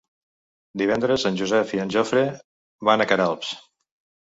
Divendres en Josep i en Jofre van a Queralbs.